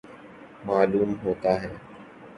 معلوم ہوتا ہے